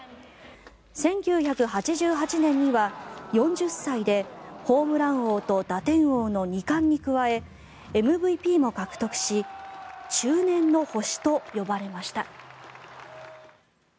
１９８８年には、４０歳でホームラン王と打点王の２冠に加えＭＶＰも獲得し中年の星と呼ばれました。